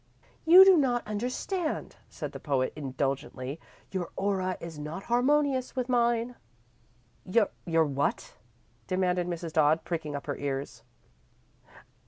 "You do not understand," said the poet, indulgently. "Your aura is not harmonious with mine." "Your what?" demanded Mrs. Dodd, pricking up her ears.